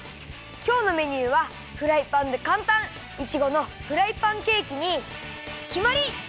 きょうのメニューはフライパンでかんたんいちごのフライパンケーキにきまり！